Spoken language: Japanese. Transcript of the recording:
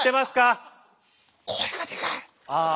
ああ。